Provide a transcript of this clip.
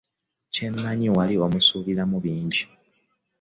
Nkimanyi wali omusuubiramu bingi.